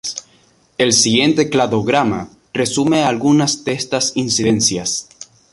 El siguiente cladograma resume algunas de estas incidencias.